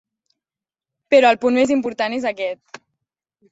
Però el punt més important és aquest.